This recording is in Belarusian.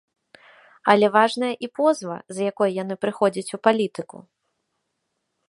Але важная і позва, з якой яны прыходзяць у палітыку.